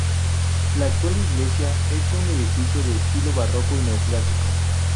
La actual Iglesia es un edificio de estilo barroco y neoclásico.